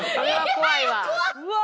うわ。